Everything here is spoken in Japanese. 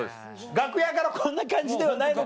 楽屋からこんな感じではないの？